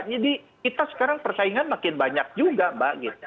jadi kita sekarang persaingan makin banyak juga mbak